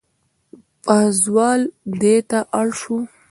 پازوال دېته اړ شو.